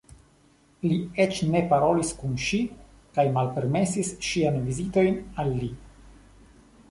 Li eĉ ne parolis kun ŝi kaj malpermesis ŝiajn vizitojn al li.